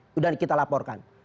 sudah kita laporkan